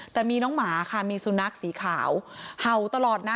แต่มีน้องหมาค่ะมีสุนัขสีขาวเห่าตลอดนะ